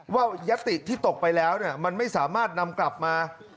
ยัตติที่ตกไปแล้วมันไม่สามารถนำกลับมา